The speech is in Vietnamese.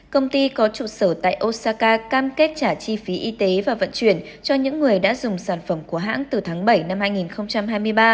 công ty có trụ sở tại osaka cam kết trả chi phí y tế và vận chuyển cho những người đã dùng sản phẩm của hãng từ tháng bảy năm hai nghìn hai mươi ba